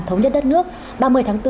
thống nhất đất nước ba mươi tháng bốn